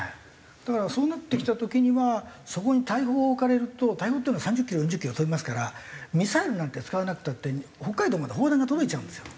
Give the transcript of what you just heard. だからそうなってきた時にはそこに大砲を置かれると大砲っていうのは３０キロ４０キロ飛びますからミサイルなんて使わなくたって北海道まで砲弾が届いちゃうんですよ。